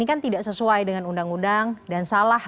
apakah ini tidak sesuai dengan undang undang dan salah